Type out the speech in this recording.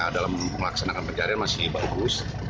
dalam melaksanakan pencarian masih bagus